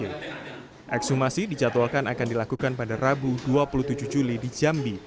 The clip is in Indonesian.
ekshumasi dijadwalkan akan dilakukan pada rabu dua puluh tujuh juli di jambi